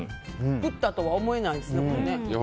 作ったとは思えないですね。